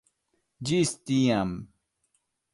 Ĝis tiam.